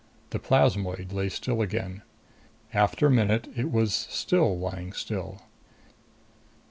The plasmoid lay still again. After a minute it was still lying still.